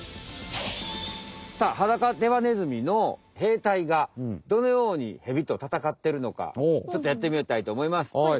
さあハダカデバネズミの兵隊がどのようにヘビとたたかってるのかちょっとやってみたいと思います。